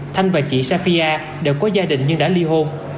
thanh và chị sapia đều có gia đình nhưng đã ly hôn